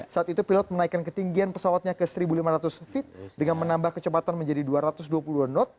saat itu pilot menaikkan ketinggian pesawatnya ke seribu lima ratus feet dengan menambah kecepatan menjadi dua ratus dua puluh dua knot